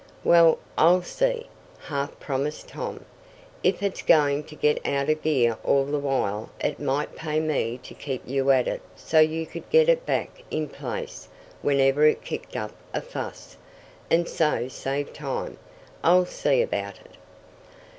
"Well, I'll see," half promised Tom. "If it's going to get out of gear all the while it might pay me to keep you at it so you could get it back in place whenever it kicked up a fuss, and so save time. I'll see about it."